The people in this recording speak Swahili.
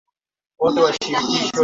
na kila kocha anamtazamo wake